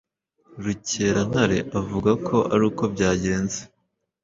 Rukerantare avuga ko aruko byagenze